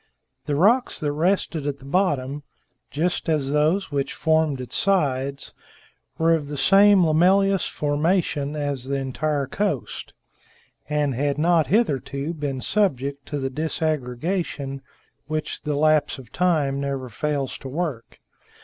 The rocks that rested at the bottom just as those which formed its sides were of the same lamellous formation as the entire coast, and had not hitherto been subject to the disaggregation which the lapse of time never fails to work.